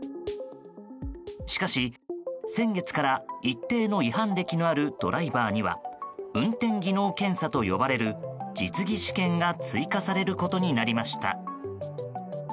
しかし、先月から一定の違反歴のあるドライバーには運転技能検査と呼ばれる実技試験が追加されることになりました。